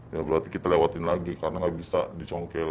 ya berarti kita lewatin lagi karena nggak bisa dicongkel